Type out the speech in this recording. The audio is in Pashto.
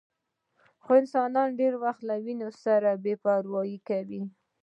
خو انسانان ډېر وخت له ونو سره بې پروايي کوي.